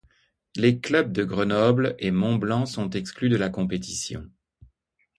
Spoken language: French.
Les clubs de Grenoble et Mont-Blanc sont exclus de la compétition.